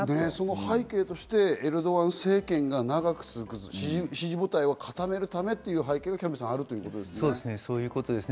背景としてエルドアン政権が長く続く支持母体をかためるためっていう背景があるんですね。